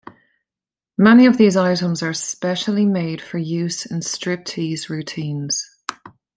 Many of these items are specially made for use in striptease routines.